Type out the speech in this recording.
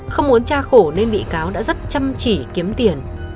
không muốn tra khổ nên bị cáo đã rất chăm chỉ kiếm tiền